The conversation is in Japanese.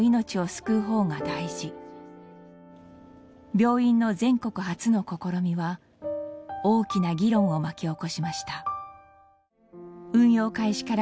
病院の全国初の試みは大きな議論を巻き起こしました。